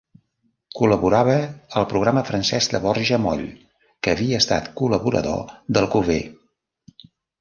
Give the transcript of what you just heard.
Col·laborava al programa Francesc de Borja Moll, que havia estat col·laborador d'Alcover.